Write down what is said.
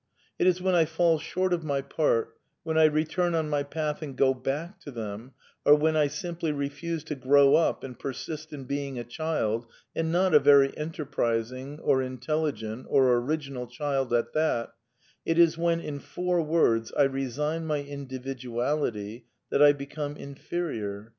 It is when I fall short of my part, when I return on my path and go bach to them, or when I simply refuse to grow up and persist in being a child, and not a very enterprising, or intelligent, or original child at that, it is when, in four words, I resign my individuality, that I become inferior.